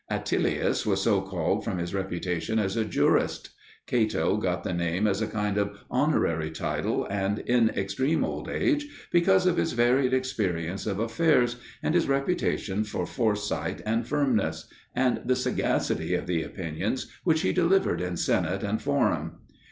Atilius was so called from his reputation as a jurist; Cato got the name as a kind of honorary title and in extreme old age because of his varied experience of affairs, and his reputation for foresight and firmness, and the sagacity of the opinions which he delivered in senate and forum.